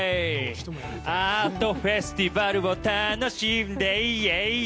アートフェスティバルを楽しんで、いぇいいぇい。